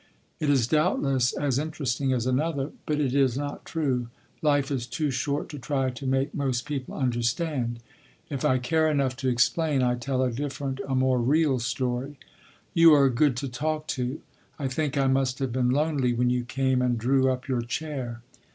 It is doubtless as interesting as another, but it is not true. Life is too short to try to make most people understand. If I care enough to explain, I tell a different, a more real story. You are good to talk to. I think I must have been lonely when you came and drew up your chair.